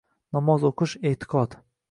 Namoz o‘qish — e’tiqod.